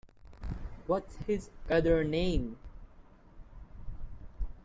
What’s his other name?